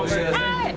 はい。